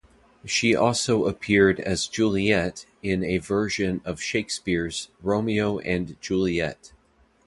She also appeared as Juliet in a version of Shakespeare's "Romeo and Juliet".